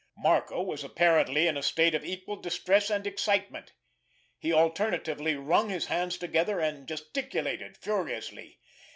Marco was apparently in a state of equal distress and excitement. He alternatively wrung his hands together and gesticulated furiously.